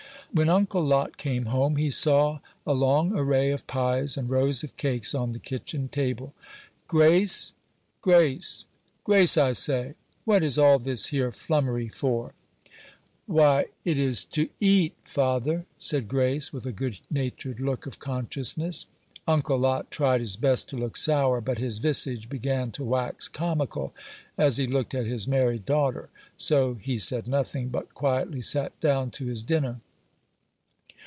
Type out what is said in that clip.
When Uncle Lot came home, he saw a long array of pies and rows of cakes on the kitchen table. "Grace Grace Grace, I say! What is all this here flummery for?" "Why, it is to eat, father," said Grace, with a good natured look of consciousness. Uncle Lot tried his best to look sour; but his visage began to wax comical as he looked at his merry daughter; so he said nothing, but quietly sat down to his dinner.